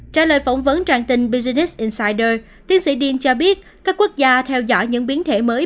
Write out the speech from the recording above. trả lời phỏng vấn trang tin business incyders tiến sĩ diên cho biết các quốc gia theo dõi những biến thể mới